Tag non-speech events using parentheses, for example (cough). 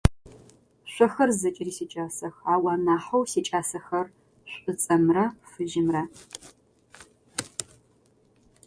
Шъохэр зэкӏэри сикӏасэх, ау анахьэу сикӏасэхэр шӏуцӏэмрэ фыжьымрэ. (noise)